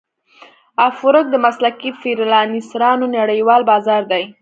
افورک د مسلکي فریلانسرانو نړیوال بازار دی.